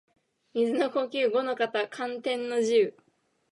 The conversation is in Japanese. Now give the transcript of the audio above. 水の呼吸伍ノ型干天の慈雨（ごのかたかんてんのじう）